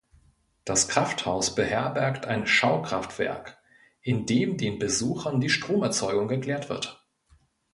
Das Krafthaus beherbergt ein Schau-Kraftwerk, in dem den Besuchern die Stromerzeugung erklärt wird.